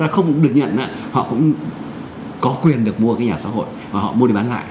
không được nhận họ cũng có quyền được mua cái nhà xã hội và họ mua đi bán lại